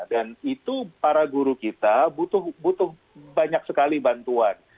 dan itu para guru kita butuh banyak sekali bantuan